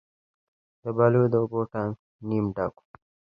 د بلو د اوبو ټانک نیمه ډک و.